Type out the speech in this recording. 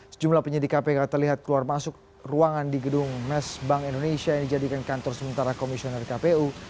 sejumlah penyidik kpk terlihat keluar masuk ruangan di gedung mes bank indonesia yang dijadikan kantor sementara komisioner kpu